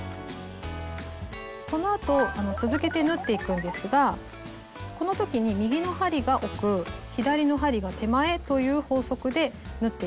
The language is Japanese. このあと続けて縫っていくんですがこの時に右の針が奥左の針が手前という法則で縫っていって下さい。